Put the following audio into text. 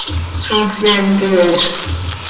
¿Zó syaai queeya?